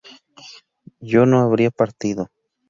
yo no habría partido